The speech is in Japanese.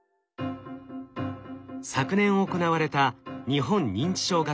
昨年行われた日本認知症学会学術集会。